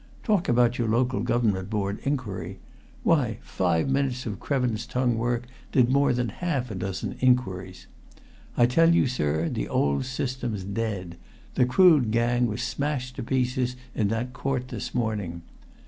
Talk about your Local Government Board inquiry! why, five minutes of Krevin's tongue work did more than half a dozen inquiries. I tell you, sir, the old system's dead the Crood gang was smashed to pieces in that court this morning!